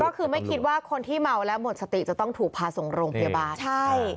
ก็คือไม่คิดว่าคนที่เมาแล้วหมดสติจะต้องถูกพาส่งโรงพยาบาลใช่